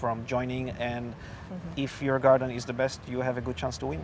dan jika hutan anda terbaik anda memiliki kesempatan yang bagus untuk menang